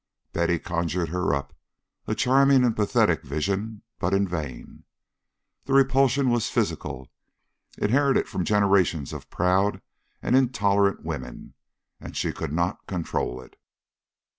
Betty conjured her up, a charming and pathetic vision; but in vain. The repulsion was physical, inherited from generations of proud and intolerant women, and she could not control it.